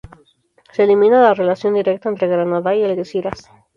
Se elimina las relación directa entre Granada y Algeciras